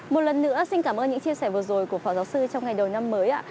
một lần nữa xin cảm ơn những chia sẻ vừa rồi của phó giáo sư trong ngày đầu năm mới ạ